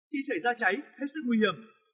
khi xảy ra cháy hết sức khỏe không có gì để làm